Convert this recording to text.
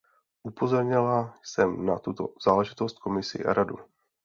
Upozornila jsem na tuto záležitost Komisi a Radu.